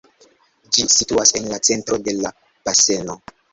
Ĝi situas en la centro de la baseno.